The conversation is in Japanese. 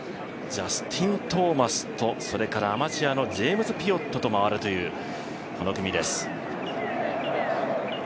ジャスティン・トーマスとアマチュアのジェームズ・ピオットと回るという、この組です。